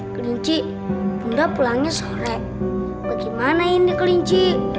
kelinci bunda pulangnya sore bagaimana ini kelinci